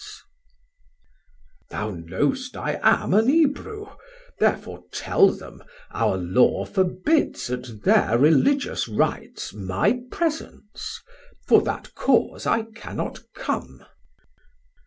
Sam: Thou knowst I am an Ebrew, therefore tell them, Our Law forbids at thir Religious Rites 1320 My presence; for that cause I cannot come.